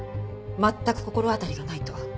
全く心当たりがないと。